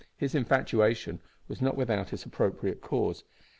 His "infatuation" was not without its appropriate cause.